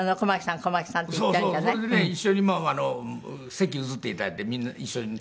それでね一緒に席譲って頂いてみんな一緒にね。